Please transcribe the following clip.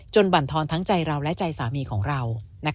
บรรทอนทั้งใจเราและใจสามีของเรา